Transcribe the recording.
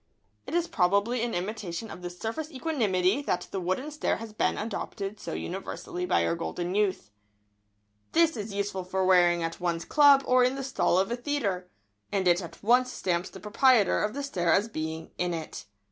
] It is probably in imitation of this surface equanimity that the wooden stare has been adopted so universally by our golden youth. [Sidenote: The wooden stare.] This is useful for wearing at one's club or in the stall of a theatre, and it at once stamps the proprietor of the stare as being "in it."